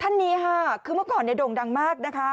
ท่านนี้ค่ะคือเมื่อก่อนเนี่ยโด่งดังมากนะคะ